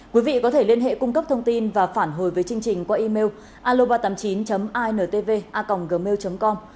quý vị có thể liên hệ cung cấp thông tin và phản hồi với chương trình qua email aloba tám mươi chín intv gmail com